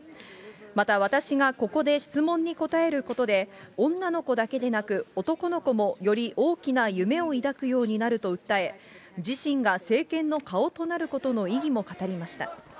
また、私がここで質問に答えることで、女の子だけでなく、男の子もより大きな夢をいだくようになると訴え、自身が政権の顔となることの意義も語りました。